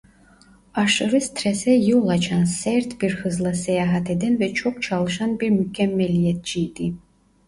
Aşırı strese yol açan sert bir hızla seyahat eden ve çok çalışan bir mükemmeliyetçiydi.